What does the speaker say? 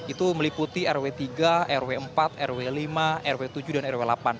itu meliputi rw tiga rw empat rw lima rw tujuh dan rw delapan